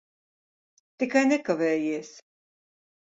Tikai nekavējies.